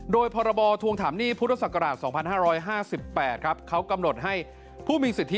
โดยพรบถวงถามหนี้พ